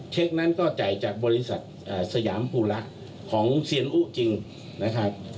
นั้นก็จ่ายจากบริษัทสยามภูระของเซียนอุจริงนะครับ